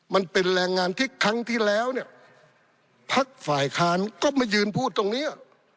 มันเป็นแรงงานที่ครั้งที่แล้วเนี่ยพักฝ่ายค้านก็มายืนพูดตรงเนี้ย